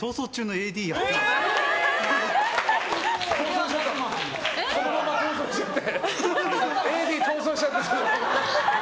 ＡＤ逃走しちゃって。